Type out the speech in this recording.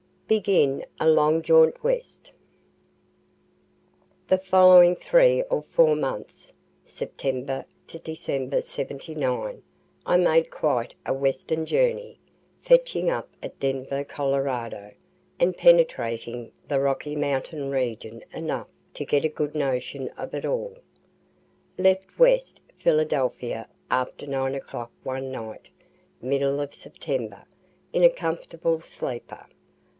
BEGIN A LONG JAUNT WEST The following three or four months (Sept. to Dec. '79) I made quite a western journey, fetching up at Denver, Colorado, and penetrating the Rocky Mountain region enough to get a good notion of it all. Left West Philadelphia after 9 o'clock one night, middle of September, in a comfortable sleeper.